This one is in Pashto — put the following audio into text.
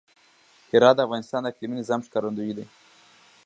هرات د افغانستان د اقلیمي نظام ښکارندوی ده.